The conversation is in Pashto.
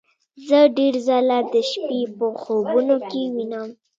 زه ډیر ځله د شپې په خوبونو کې وینم